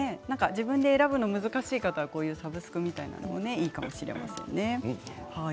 自分で選ぶのが難しい方はサブスクみたいなものもいいかもしれませんね。